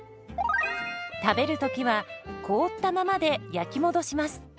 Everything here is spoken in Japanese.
食べる時は凍ったままで焼き戻します。